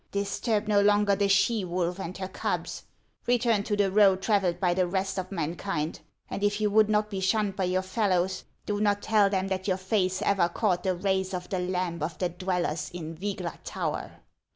Disturb no longer the she wolf and her cubs ; return to the road travelled by the rest of mankind, and if you would not be shunned by your fellows, do not tell them that your face ever caught the rays of the lamp of the dwellers in Vygla tower."